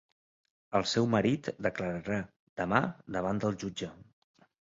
El seu marit declararà demà davant del jutge.